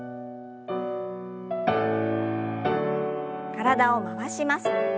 体を回します。